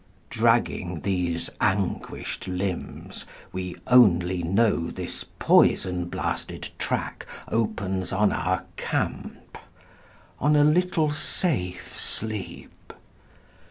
Dragging these anguished limbs, we only know This poison blasted track opens on our camp â On a little safe sleep.